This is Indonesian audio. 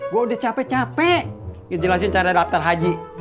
gue udah capek capek ngejelasin cara daftar haji